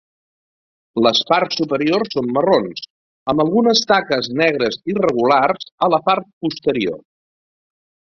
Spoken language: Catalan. La parts superiors són marrons, amb algunes taques negres irregulars a la part posterior.